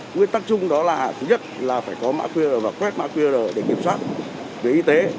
nguyên tắc chung đó là thứ nhất là phải có mã qr và quét mã qr để kiểm soát về y tế